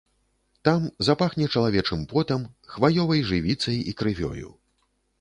Там запахне чалавечым потам, хваёвай жывіцай і крывёю.